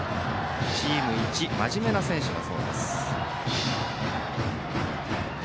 チームいちまじめな選手だそうです。